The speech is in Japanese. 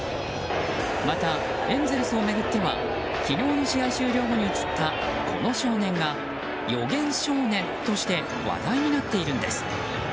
また、エンゼルスを巡っては昨日の試合終了後に映ったこの少年が予言少年として話題になっているんです。